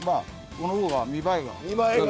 このほうが見栄えが。